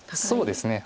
そうですね。